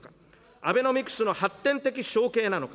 アベノミクスと発展的承継なのか。